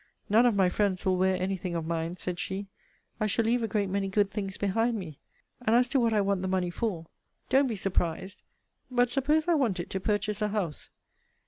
None of my friends will wear any thing of mine, said she. I shall leave a great many good things behind me. And as to what I want the money for don't be surprised: But suppose I want it to purchase a house?